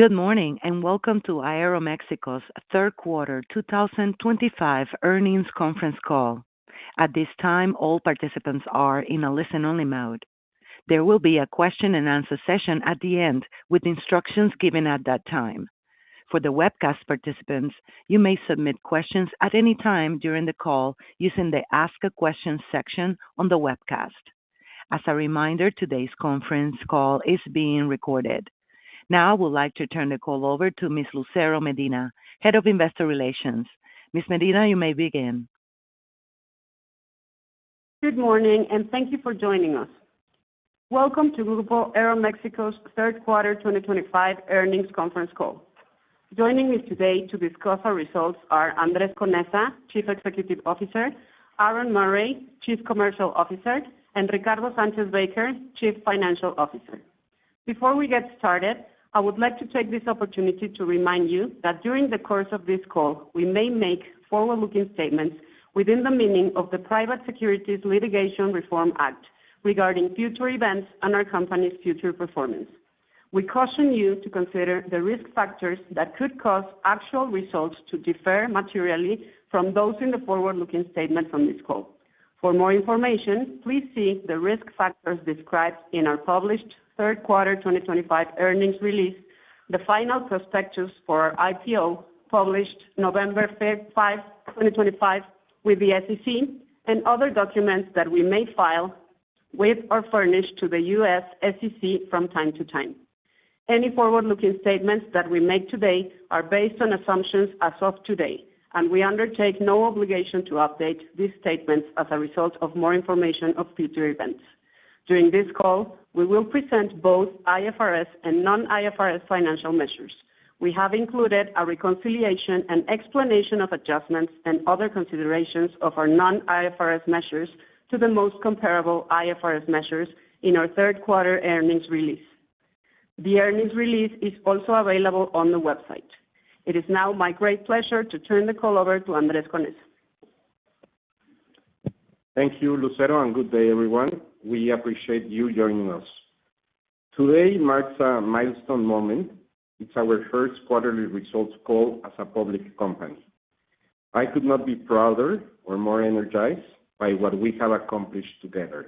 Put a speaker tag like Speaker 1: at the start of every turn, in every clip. Speaker 1: Good morning and welcome to Aeromexico's Third Quarter 2025 earnings conference call. At this time, all participants are in a listen-only mode. There will be a question-and-answer session at the end with instructions given at that time. For the webcast participants, you may submit questions at any time during the call using the Ask a Question section on the webcast. As a reminder, today's conference call is being recorded. Now, I would like to turn the call over to Ms. Lucero Medina, Head of Investor Relations. Ms. Medina, you may begin.
Speaker 2: Good morning, and thank you for joining us. Welcome to Grupo Aeroméxico's Third Quarter 2025 earnings conference call. Joining me today to discuss our results are Andrés Conesa, Chief Executive Officer, Aaron Murray, Chief Commercial Officer, and Ricardo Sánchez Baker, Chief Financial Officer. Before we get started, I would like to take this opportunity to remind you that during the course of this call, we may make forward-looking statements within the meaning of the Private Securities Litigation Reform Act regarding future events and our company's future performance. We caution you to consider the risk factors that could cause actual results to differ materially from those in the forward-looking statements on this call. For more information, please see the risk factors described in our published Third Quarter 2025 earnings release, the final prospectus for our IPO published November 5, 2025, with the SEC, and other documents that we may file with or furnish to the U.S. SEC from time to time. Any forward-looking statements that we make today are based on assumptions as of today, and we undertake no obligation to update these statements as a result of more information of future events. During this call, we will present both IFRS and non-IFRS financial measures. We have included a reconciliation and explanation of adjustments and other considerations of our non-IFRS measures to the most comparable IFRS measures in our Third Quarter earnings release. The earnings release is also available on the website. It is now my great pleasure to turn the call over to Andrés Conesa.
Speaker 3: Thank you, Lucero, and good day, everyone. We appreciate you joining us. Today marks a milestone moment. It's our first quarterly results call as a public company. I could not be prouder or more energized by what we have accomplished together.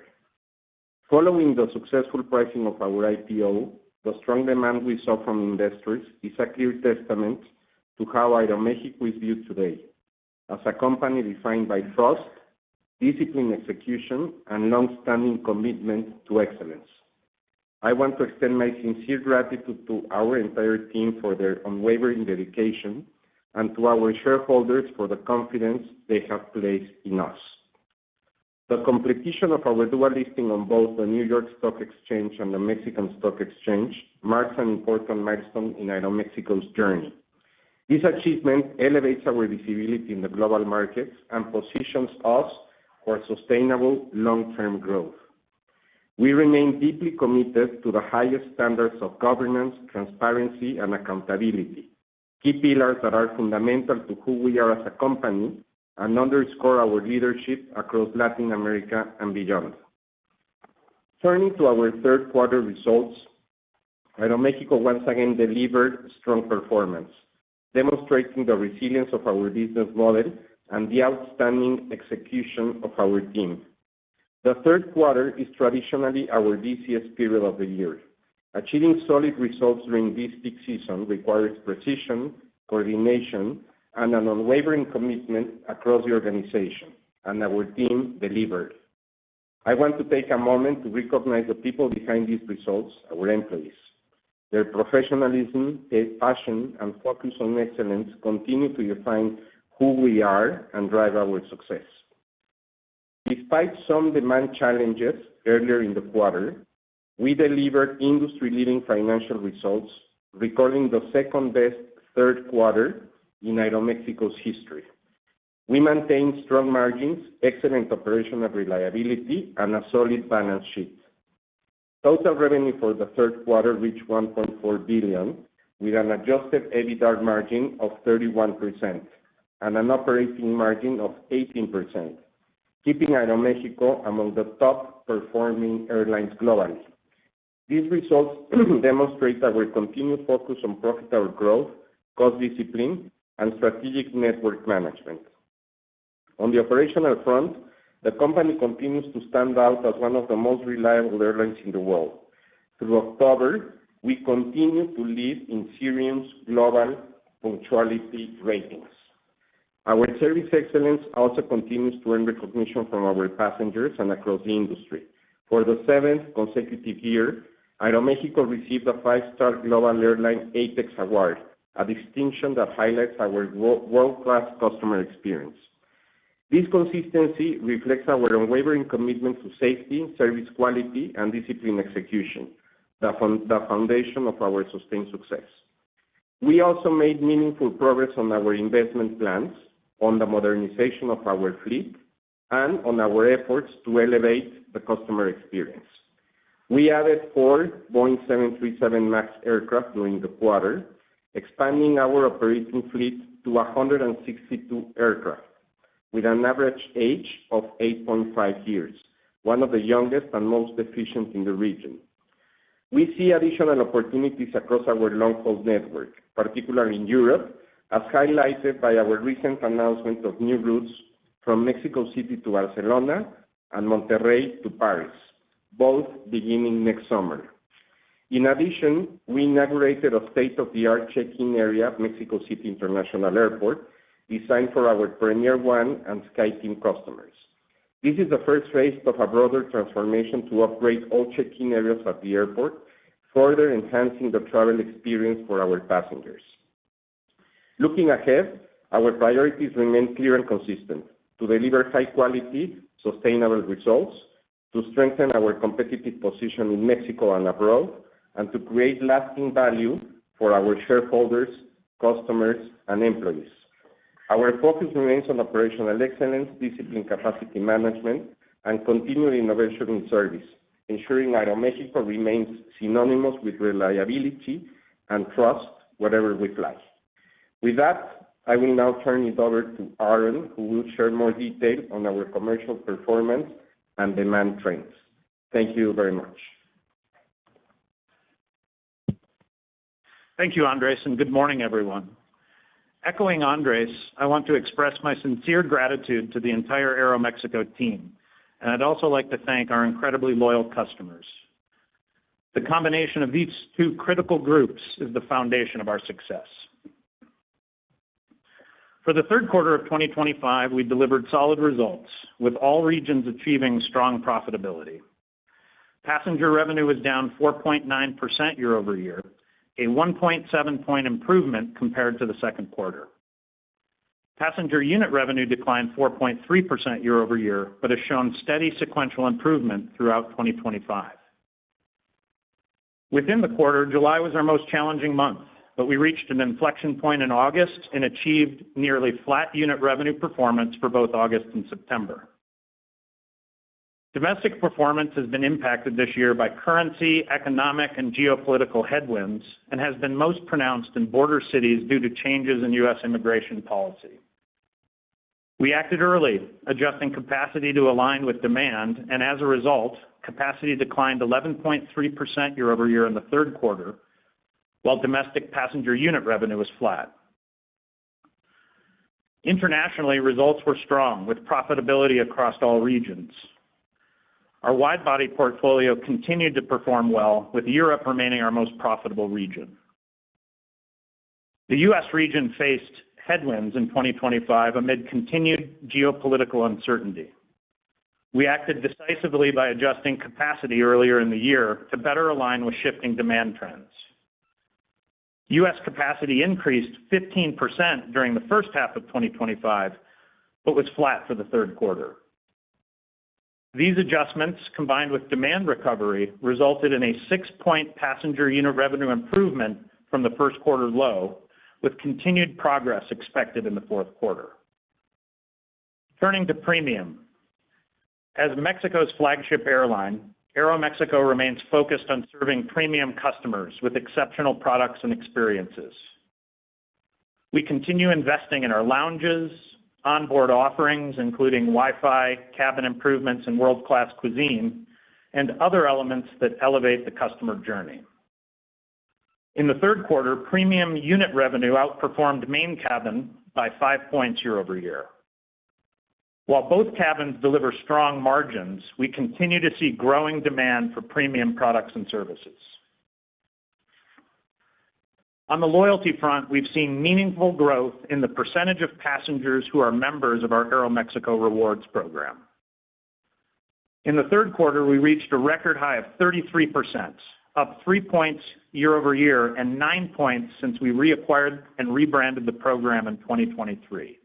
Speaker 3: Following the successful pricing of our IPO, the strong demand we saw from investors is a clear testament to how Aeromexico is viewed today: as a company defined by trust, disciplined execution, and long-standing commitment to excellence. I want to extend my sincere gratitude to our entire team for their unwavering dedication and to our shareholders for the confidence they have placed in us. The completion of our dual-listing on both the New York Stock Exchange and the Mexican Stock Exchange marks an important milestone in Aeromexico's journey. This achievement elevates our visibility in the global markets and positions us for sustainable long-term growth. We remain deeply committed to the highest standards of governance, transparency, and accountability, key pillars that are fundamental to who we are as a company and underscore our leadership across Latin America and beyond. Turning to our Third Quarter results, Aeroméxico once again delivered strong performance, demonstrating the resilience of our business model and the outstanding execution of our team. The Third Quarter is traditionally our busiest period of the year. Achieving solid results during this peak season requires precision, coordination, and an unwavering commitment across the organization, and our team delivered. I want to take a moment to recognize the people behind these results, our employees. Their professionalism, passion, and focus on excellence continue to define who we are and drive our success. Despite some demand challenges earlier in the quarter, we delivered industry-leading financial results, recording the second-best Third Quarter in Aeroméxico's history. We maintained strong margins, excellent operational reliability, and a solid balance sheet. Total revenue for the Third Quarter reached $1.4 billion, with an adjusted EBITDA margin of 31% and an operating margin of 18%, keeping Aeroméxico among the top-performing airlines globally. These results demonstrate our continued focus on profitable growth, cost discipline, and strategic network management. On the operational front, the company continues to stand out as one of the most reliable airlines in the world. Through October, we continue to lead in Cirium's global punctuality ratings. Our service excellence also continues to earn recognition from our passengers and across the industry. For the seventh consecutive year, Aeroméxico received a five-star global airline APEX award, a distinction that highlights our world-class customer experience. This consistency reflects our unwavering commitment to safety, service quality, and discipline execution, the foundation of our sustained success. We also made meaningful progress on our investment plans, on the modernization of our fleet, and on our efforts to elevate the customer experience. We added four Boeing 737 MAX aircraft during the quarter, expanding our operating fleet to 162 aircraft, with an average age of 8.5 years, one of the youngest and most efficient in the region. We see additional opportunities across our long-haul network, particularly in Europe, as highlighted by our recent announcement of new routes from Mexico City to Barcelona and Monterrey to Paris, both beginning next summer. In addition, we inaugurated a state-of-the-art check-in area at Mexico City International Airport, designed for our Premier and SkyTeam customers. This is the first phase of a broader transformation to upgrade all check-in areas at the airport, further enhancing the travel experience for our passengers. Looking ahead, our priorities remain clear and consistent: to deliver high-quality, sustainable results, to strengthen our competitive position in Mexico and abroad, and to create lasting value for our shareholders, customers, and employees. Our focus remains on operational excellence, disciplined capacity management, and continued innovation in service, ensuring Aeroméxico remains synonymous with reliability and trust wherever we fly. With that, I will now turn it over to Aaron, who will share more detail on our commercial performance and demand trends. Thank you very much.
Speaker 4: Thank you, Andrés, and good morning, everyone. Echoing Andrés, I want to express my sincere gratitude to the entire Aeromexico team, and I'd also like to thank our incredibly loyal customers. The combination of these two critical groups is the foundation of our success. For the third quarter of 2025, we delivered solid results, with all regions achieving strong profitability. Passenger revenue is down 4.9% year-over-year, a 1.7-point improvement compared to the second quarter. Passenger unit revenue declined 4.3% year-over-year but has shown steady sequential improvement throughout 2025. Within the quarter, July was our most challenging month, but we reached an inflection point in August and achieved nearly flat unit revenue performance for both August and September. Domestic performance has been impacted this year by currency, economic, and geopolitical headwinds and has been most pronounced in border cities due to changes in U.S. immigration policy. We acted early, adjusting capacity to align with demand, and as a result, capacity declined 11.3% year-over-year in the third quarter, while domestic passenger unit revenue was flat. Internationally, results were strong, with profitability across all regions. Our wide-body portfolio continued to perform well, with Europe remaining our most profitable region. The U.S. region faced headwinds in 2025 amid continued geopolitical uncertainty. We acted decisively by adjusting capacity earlier in the year to better align with shifting demand trends. U.S. capacity increased 15% during the first half of 2025 but was flat for the third quarter. These adjustments, combined with demand recovery, resulted in a 6-point passenger unit revenue improvement from the first quarter low, with continued progress expected in the fourth quarter. Turning to premium, as Mexico's flagship airline, Aeroméxico remains focused on serving premium customers with exceptional products and experiences. We continue investing in our lounges, onboard offerings, including Wi-Fi, cabin improvements, and world-class cuisine, and other elements that elevate the customer journey. In the third quarter, premium unit revenue outperformed main cabin by 5 points year-over-year. While both cabins deliver strong margins, we continue to see growing demand for premium products and services. On the loyalty front, we've seen meaningful growth in the percentage of passengers who are members of our Aeroméxico Rewards program. In the third quarter, we reached a record high of 33%, up 3 points year-over-year and 9 points since we reacquired and rebranded the program in 2023.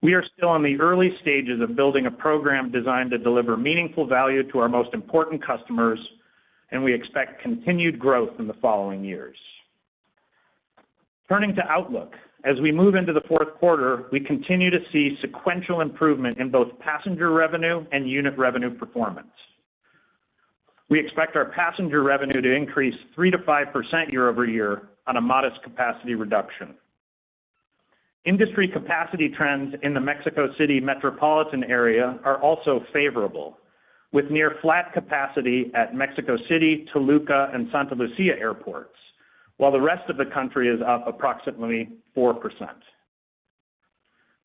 Speaker 4: We are still in the early stages of building a program designed to deliver meaningful value to our most important customers, and we expect continued growth in the following years. Turning to Outlook, as we move into the fourth quarter, we continue to see sequential improvement in both passenger revenue and unit revenue performance. We expect our passenger revenue to increase 3%-5% year-over-year on a modest capacity reduction. Industry capacity trends in the Mexico City metropolitan area are also favorable, with near-flat capacity at Mexico City, Toluca, and Santa Lucía airports, while the rest of the country is up approximately 4%.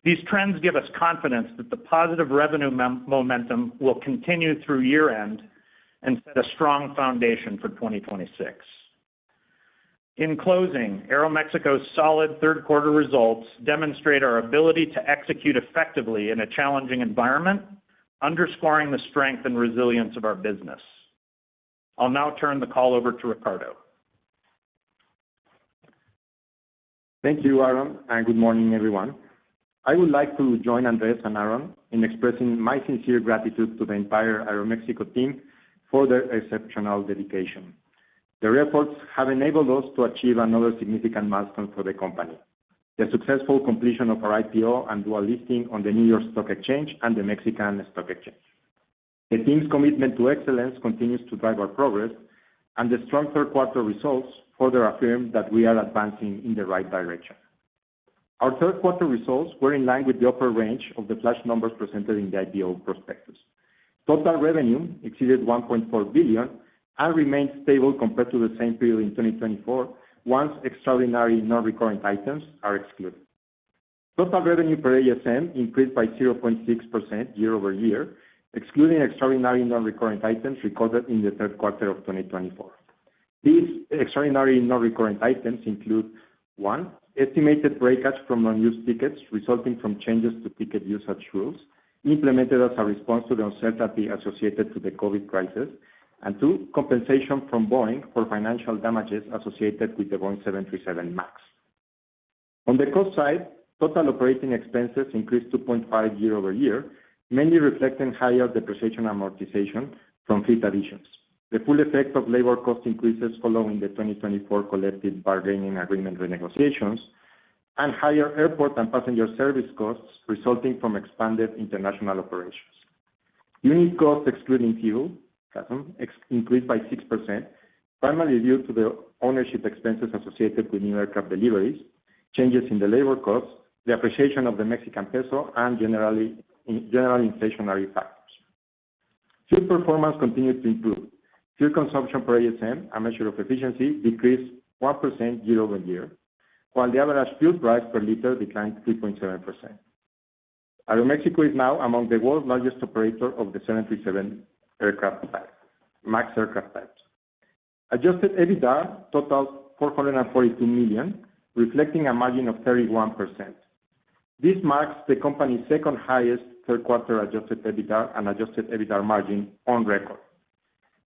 Speaker 4: These trends give us confidence that the positive revenue momentum will continue through year-end and set a strong foundation for 2026. In closing, Aeromexico's solid Third Quarter results demonstrate our ability to execute effectively in a challenging environment, underscoring the strength and resilience of our business. I'll now turn the call over to Ricardo.
Speaker 5: Thank you, Aaron, and good morning, everyone. I would like to join Andrés and Aaron in expressing my sincere gratitude to the entire Aeromexico team for their exceptional dedication. Their efforts have enabled us to achieve another significant milestone for the company: the successful completion of our IPO and dual-listing on the New York Stock Exchange and the Mexican Stock Exchange. The team's commitment to excellence continues to drive our progress, and the strong Third Quarter results further affirm that we are advancing in the right direction. Our Third Quarter results were in line with the upper range of the flash numbers presented in the IPO prospectus. Total revenue exceeded $1.4 billion and remained stable compared to the same period in 2024, once extraordinary non-recurrent items are excluded. Total revenue per ASM increased by 0.6% year-over-year, excluding extraordinary non-recurrent items recorded in the third quarter of 2024. These extraordinary non-recurrent items include: one, estimated breakage from unused tickets resulting from changes to ticket usage rules implemented as a response to the uncertainty associated with the COVID crisis, and two, compensation from Boeing for financial damages associated with the Boeing 737 MAX. On the cost side, total operating expenses increased 2.5% year-over-year, mainly reflecting higher depreciation amortization from fleet additions, the full effect of labor cost increases following the 2024 collective bargaining agreement renegotiations, and higher airport and passenger service costs resulting from expanded international operations. Unit costs, excluding fuel, increased by 6%, primarily due to the ownership expenses associated with new aircraft deliveries, changes in the labor cost, the appreciation of the Mexican peso, and general inflationary factors. Fuel performance continued to improve. Fuel consumption per ASM, a measure of efficiency, decreased 1% year-over-year, while the average fuel price per liter declined 3.7%. Aeroméxico is now among the world's largest operators of the 737 MAX aircraft types. Adjusted EBITDA totaled $442 million, reflecting a margin of 31%. This marks the company's second-highest Third Quarter adjusted EBITDA and adjusted EBITDA margin on record.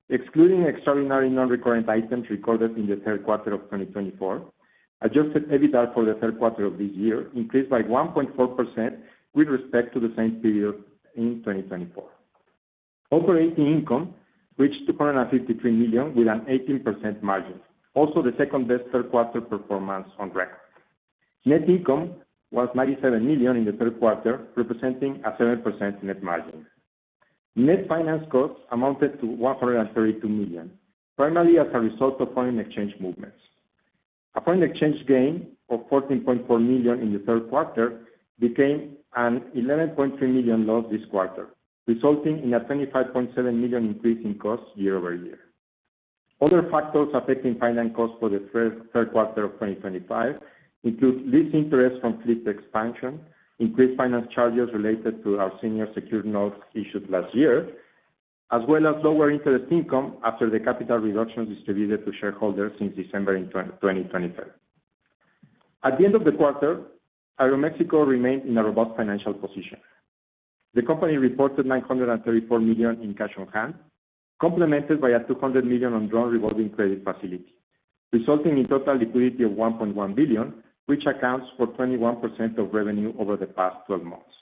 Speaker 5: Excluding extraordinary non-recurrent items recorded in the Third Quarter of 2024, adjusted EBITDA for the Third Quarter of this year increased by 1.4% with respect to the same period in 2024. Operating income reached $253 million with an 18% margin, also the second-best Third Quarter performance on record. Net income was $97 million in the Third Quarter, representing a 7% net margin. Net finance costs amounted to $132 million, primarily as a result of foreign exchange movements. A foreign exchange gain of $14.4 million in the Third Quarter became an $11.3 million loss this quarter, resulting in a $25.7 million increase in cost year-over-year. Other factors affecting finance costs for the Third Quarter of 2025 include lease interest from fleet expansion, increased finance charges related to our senior secured notes issued last year, as well as lower interest income after the capital reductions distributed to shareholders since December in 2023. At the end of the quarter, Aeroméxico remained in a robust financial position. The company reported $934 million in cash on hand, complemented by a $200 million undrawn revolving credit facility, resulting in total liquidity of $1.1 billion, which accounts for 21% of revenue over the past 12 months.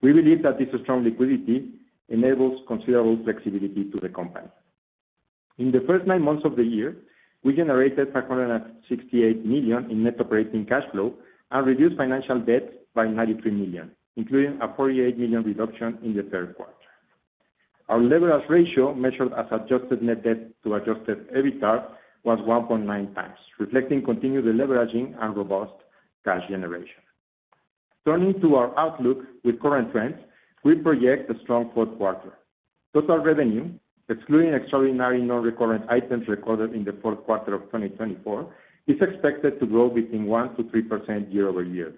Speaker 5: We believe that this strong liquidity enables considerable flexibility to the company. In the first nine months of the year, we generated $568 million in net operating cash flow and reduced financial debt by $93 million, including a $48 million reduction in the Third Quarter. Our leverage ratio, measured as adjusted net debt to adjusted EBITDA, was 1.9 times, reflecting continued leveraging and robust cash generation. Turning to our outlook with current trends, we project a strong fourth quarter. Total revenue, excluding extraordinary non-recurrent items recorded in the fourth quarter of 2024, is expected to grow between 1% to 3% year-over-year,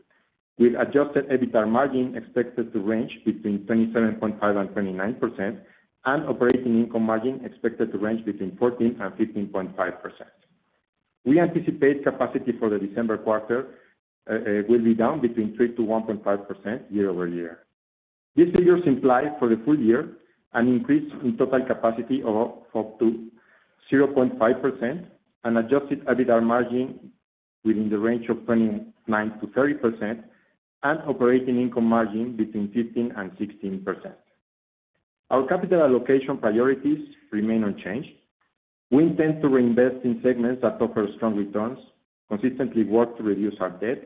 Speaker 5: with adjusted EBITDA margin expected to range between 27.5% and 29%, and operating income margin expected to range between 14% and 15.5%. We anticipate capacity for the December quarter will be down between 3% to 1.5% year-over-year. These figures imply for the full year an increase in total capacity of up to 0.5%, an adjusted EBITDA margin within the range of 29% to 30%, and operating income margin between 15% and 16%. Our capital allocation priorities remain unchanged. We intend to reinvest in segments that offer strong returns, consistently work to reduce our debt,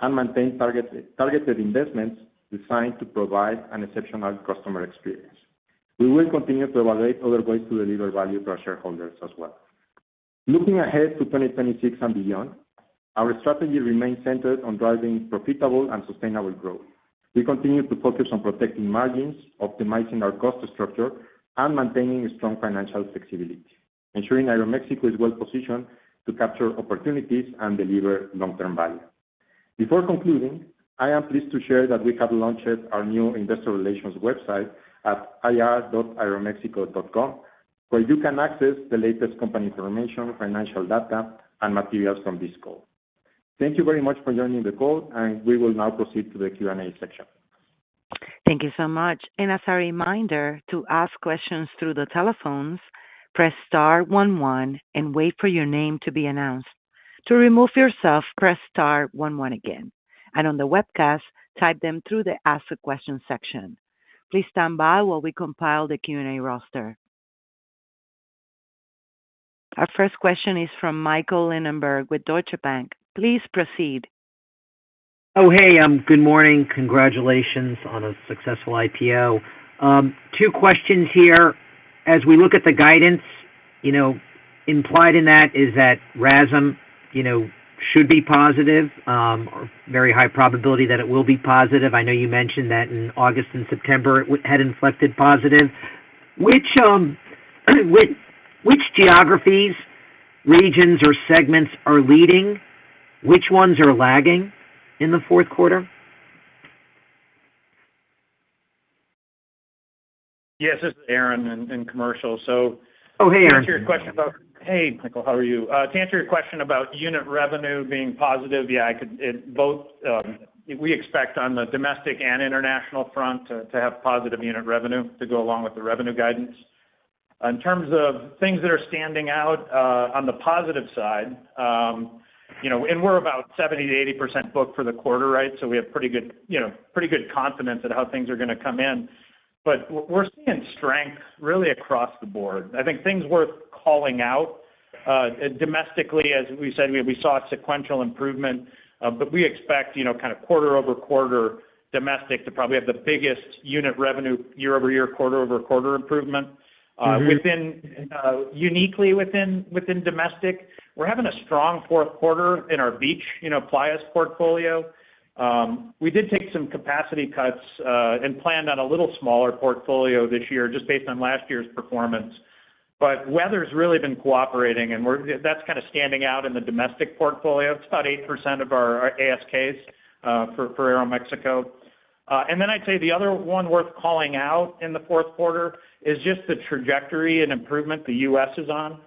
Speaker 5: and maintain targeted investments designed to provide an exceptional customer experience. We will continue to evaluate other ways to deliver value to our shareholders as well. Looking ahead to 2026 and beyond, our strategy remains centered on driving profitable and sustainable growth. We continue to focus on protecting margins, optimizing our cost structure, and maintaining strong financial flexibility, ensuring Aeromexico is well-positioned to capture opportunities and deliver long-term value. Before concluding, I am pleased to share that we have launched our new investor relations website at ir.aeromexico.com, where you can access the latest company information, financial data, and materials from this call. Thank you very much for joining the call, and we will now proceed to the Q&A section.
Speaker 1: Thank you so much. And as a reminder, to ask questions through the telephones, press star 11 and wait for your name to be announced. To remove yourself, press star 11 again. And on the webcast, type them through the Ask a Question section. Please stand by while we compile the Q&A roster. Our first question is from Michael Lindenberg with Deutsche Bank. Please proceed.
Speaker 6: Oh, hey. Good morning. Congratulations on a successful IPO. Two questions here. As we look at the guidance, implied in that is that RASM should be positive, or very high probability that it will be positive. I know you mentioned that in August and September it had inflected positive. Which geographies, regions, or segments are leading? Which ones are lagging in the fourth quarter?
Speaker 4: Yes, this is Aaron in commercial.
Speaker 6: Oh, hey, Aaron.
Speaker 4: To answer your question about, hey, Michael, how are you? To answer your question about unit revenue being positive, yeah, we expect on the domestic and international front to have positive unit revenue to go along with the revenue guidance. In terms of things that are standing out on the positive side, and we're about 70%-80% booked for the quarter, right? So we have pretty good confidence in how things are going to come in, but we're seeing strength really across the board. I think things worth calling out. Domestically, as we said, we saw a sequential improvement, but we expect kind of quarter-over-quarter domestic to probably have the biggest unit revenue year-over-year, quarter-over-quarter improvement. Uniquely within domestic, we're having a strong fourth quarter in our beach plays portfolio. We did take some capacity cuts and planned on a little smaller portfolio this year just based on last year's performance. But weather's really been cooperating, and that's kind of standing out in the domestic portfolio. It's about 8% of our ASKs for Aeromexico. And then I'd say the other one worth calling out in the fourth quarter is just the trajectory and improvement the U.S. is on.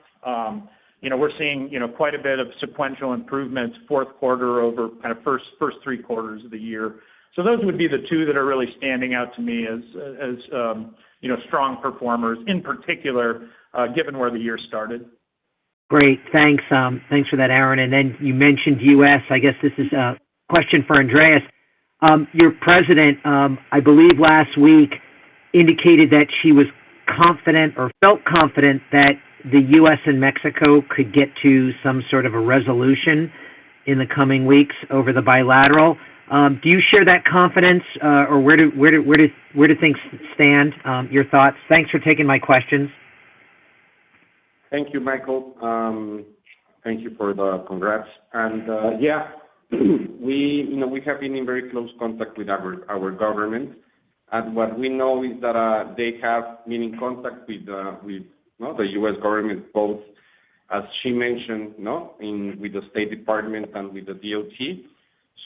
Speaker 4: We're seeing quite a bit of sequential improvements fourth quarter over kind of first three quarters of the year. So those would be the two that are really standing out to me as strong performers, in particular, given where the year started.
Speaker 6: Great. Thanks for that, Aaron. And then you mentioned U.S. I guess this is a question for Andrés. Your president, I believe last week, indicated that she was confident or felt confident that the U.S. and Mexico could get to some sort of a resolution in the coming weeks over the bilateral. Do you share that confidence, or where do things stand, your thoughts? Thanks for taking my questions.
Speaker 3: Thank you, Michael. Thank you for the congrats. And yeah, we have been in very close contact with our government. And what we know is that they have been in contact with the U.S. government, both, as she mentioned, with the State Department and with the DOT.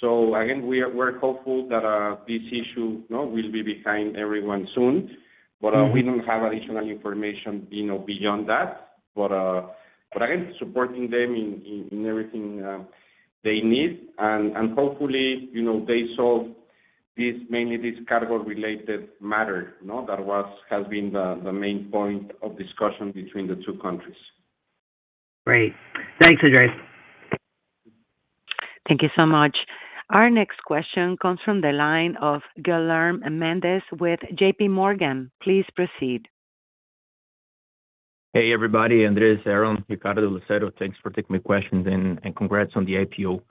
Speaker 3: So again, we're hopeful that this issue will be behind everyone soon. But we don't have additional information beyond that. But again, supporting them in everything they need. And hopefully, they solve mainly this cargo-related matter that has been the main point of discussion between the two countries.
Speaker 6: Great. Thanks, Andrés.
Speaker 1: Thank you so much. Our next question comes from the line of Guilherme Mendes with J.P. Morgan. Please proceed.
Speaker 7: Hey, everybody. Andrés, Aaron, Ricardo, Lucero, thanks for taking my questions and congrats on the IPO.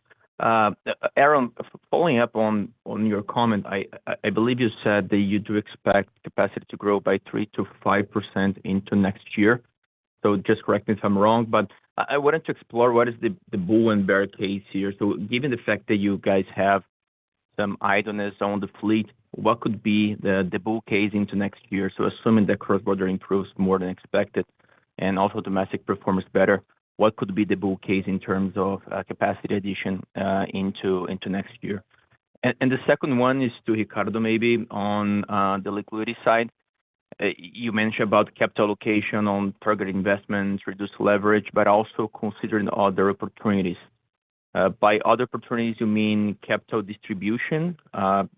Speaker 7: Aaron, following up on your comment, I believe you said that you do expect capacity to grow by 3%-5% into next year. So just correct me if I'm wrong. But I wanted to explore what is the bull and bear case here. So given the fact that you guys have some idleness on the fleet, what could be the bull case into next year? So assuming that cross-border improves more than expected and also domestic performance better, what could be the bull case in terms of capacity addition into next year? And the second one is to Ricardo, maybe, on the liquidity side. You mentioned about capital allocation on target investments, reduced leverage, but also considering other opportunities. By other opportunities, you mean capital distribution?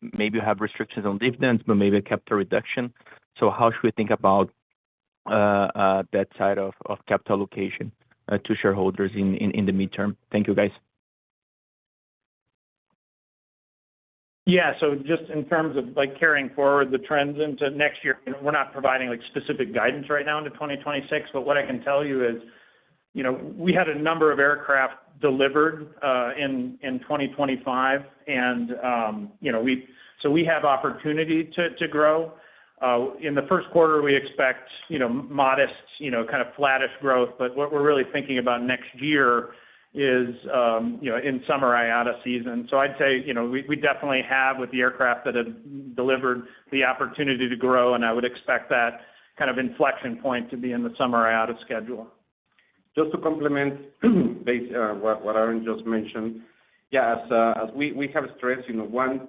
Speaker 7: Maybe you have restrictions on dividends, but maybe a capital reduction. So how should we think about that side of capital allocation to shareholders in the midterm? Thank you, guys.
Speaker 4: Yeah. So just in terms of carrying forward the trends into next year, we're not providing specific guidance right now into 2026. But what I can tell you is we had a number of aircraft delivered in 2025. And so we have opportunity to grow. In the first quarter, we expect modest, kind of flattish growth. But what we're really thinking about next year is in summer IATA season. So I'd say we definitely have, with the aircraft that have delivered, the opportunity to grow. And I would expect that kind of inflection point to be in the summer IATA schedule.
Speaker 3: Just to complement what Aaron just mentioned, yeah, as we have stressed, one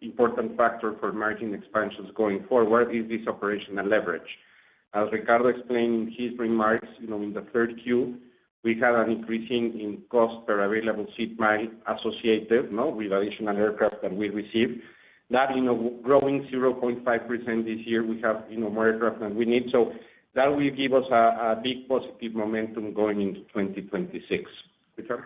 Speaker 3: important factor for margin expansions going forward is this operational leverage. As Ricardo explained in his remarks in the third Q, we had an increase in cost per available seat mile associated with additional aircraft that we received. That growing 0.5% this year, we have more aircraft than we need. So that will give us a big positive momentum going into 2026. Ricardo?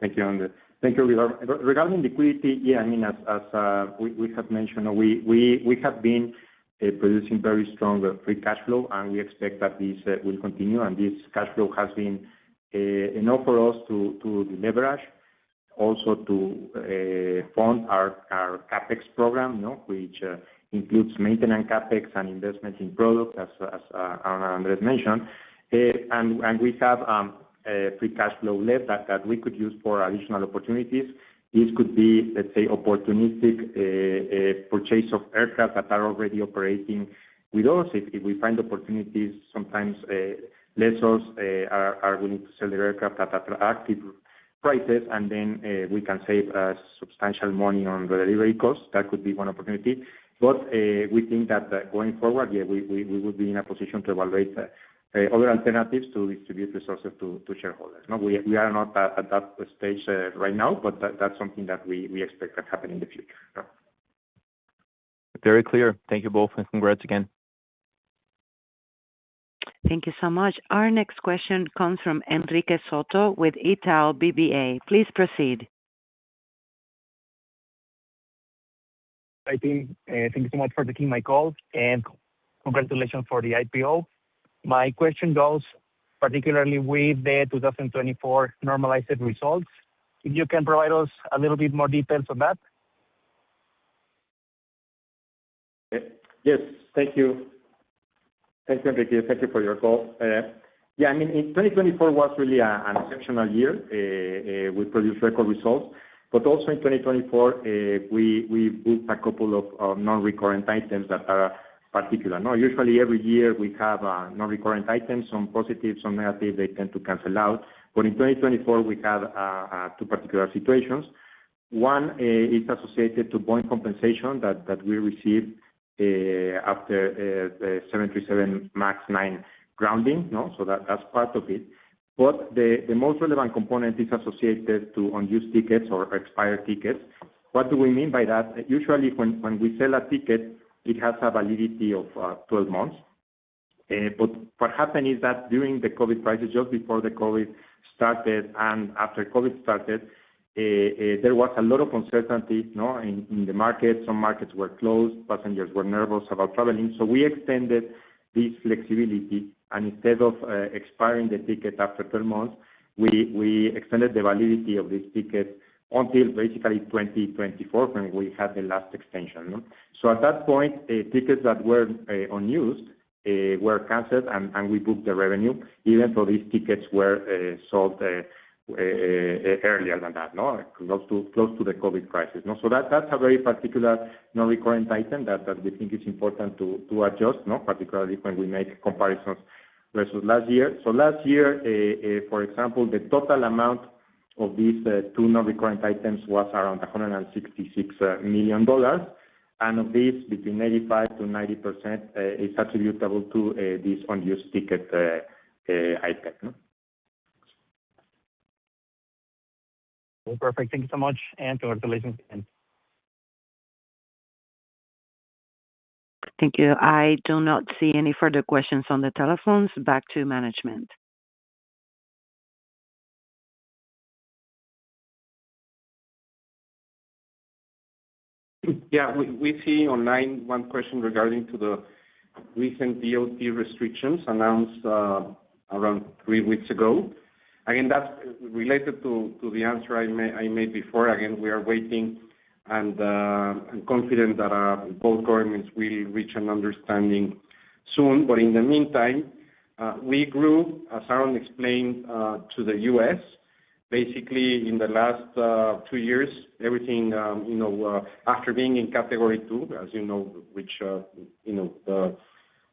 Speaker 7: Thank you, Andrés. Thank you, Ricardo.
Speaker 5: Regarding liquidity, yeah, I mean, as we have mentioned, we have been producing very strong free cash flow, and we expect that this will continue. This cash flow has been enough for us to leverage, also to fund our CapEx program, which includes maintenance CapEx and investment in product, as Andrés mentioned. We have free cash flow left that we could use for additional opportunities. This could be, let's say, opportunistic purchase of aircraft that are already operating with us. If we find opportunities, sometimes lessors are willing to sell their aircraft at attractive prices, and then we can save substantial money on the delivery cost. That could be one opportunity. But we think that going forward, yeah, we would be in a position to evaluate other alternatives to distribute resources to shareholders. We are not at that stage right now, but that's something that we expect to happen in the future.
Speaker 7: Very clear. Thank you both, and congrats again.
Speaker 1: Thank you so much. Our next question comes from Uncertain with Itaú BBA. Please proceed.
Speaker 8: Hi, team. Thank you so much for taking my call, and congratulations for the IPO. My question goes, particularly with the 2024 normalized results, if you can provide us a little bit more details on that?
Speaker 3: Yes. Thank you. Thank you, Enrique. Thank you for your call. Yeah, I mean, 2024 was really an exceptional year. We produced record results. But also in 2024, we booked a couple of non-recurrent items that are particular. Usually, every year, we have non-recurrent items, some positive, some negative. They tend to cancel out. But in 2024, we have two particular situations. One is associated to Boeing compensation that we received after 737 MAX 9 grounding. So that's part of it. But the most relevant component is associated to unused tickets or expired tickets. What do we mean by that? Usually, when we sell a ticket, it has a validity of 12 months. But what happened is that during the COVID crisis, just before the COVID started and after COVID started, there was a lot of uncertainty in the market. Some markets were closed. Passengers were nervous about traveling. We extended this flexibility. Instead of expiring the ticket after 12 months, we extended the validity of this ticket until basically 2024, when we had the last extension. At that point, tickets that were unused were canceled, and we booked the revenue, even though these tickets were sold earlier than that, close to the COVID crisis. That's a very particular non-recurring item that we think is important to adjust, particularly when we make comparisons versus last year. Last year, for example, the total amount of these two non-recurring items was around $166 million. Of these, between 85%-90% is attributable to this unused ticket item.
Speaker 8: Perfect. Thank you so much. And congratulations.
Speaker 1: Thank you. I do not see any further questions on the telephones. Back to management.
Speaker 3: Yeah. We see online one question regarding the recent DOT restrictions announced around three weeks ago. Again, that's related to the answer I made before. Again, we are waiting and confident that both governments will reach an understanding soon. But in the meantime, we grew, as Aaron explained, to the U.S. Basically, in the last two years, everything after being in Category 2, as you know, which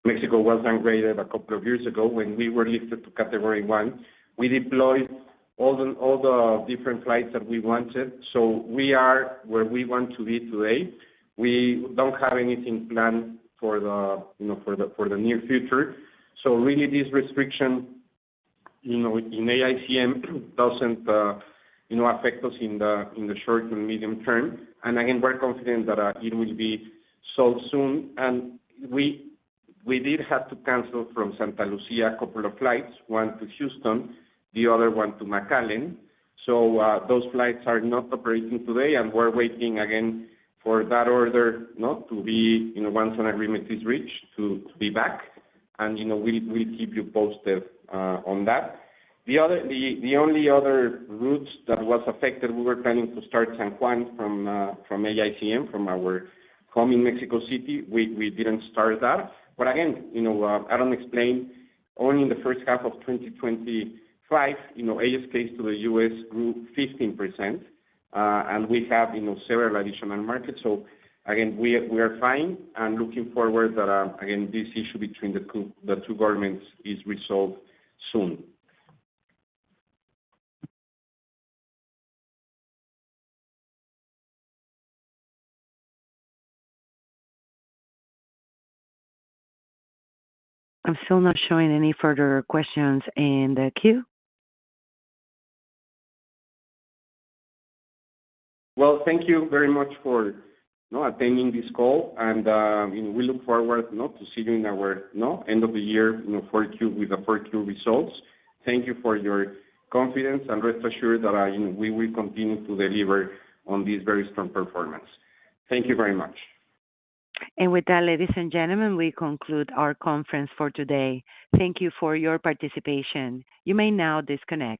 Speaker 3: Mexico was downgraded a couple of years ago when we were lifted to Category 1. We deployed all the different flights that we wanted. So we are where we want to be today. We don't have anything planned for the near future. So really, this restriction in AICM doesn't affect us in the short and medium term. And again, we're confident that it will be solved soon. We did have to cancel from Santa Lucía a couple of flights, one to Houston, the other one to McAllen. So those flights are not operating today. We are waiting, again, for that order to be once an agreement is reached, to be back. We will keep you posted on that. The only other route that was affected. We were planning to start San Juan from AICM, from our home in Mexico City. We did not start that. But again, Aaron explained, only in the first half of 2025, ASKs to the U.S. grew 15%. We have several additional markets. We are fine and looking forward that, again, this issue between the two governments is resolved soon.
Speaker 1: I'm still not showing any further questions in the queue.
Speaker 3: Thank you very much for attending this call. We look forward to seeing you at our end-of-year 4Q results. Thank you for your confidence. Rest assured that we will continue to deliver on this very strong performance. Thank you very much.
Speaker 1: With that, ladies and gentlemen, we conclude our conference for today. Thank you for your participation. You may now disconnect.